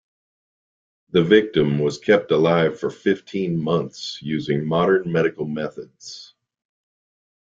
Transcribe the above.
The victim was kept alive for fifteen months using modern medical methods.